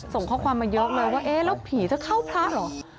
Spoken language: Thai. ส่งข้อความมาเยอะเลยว่าเอ๊ะแล้วผีจะเข้าพระเหรอ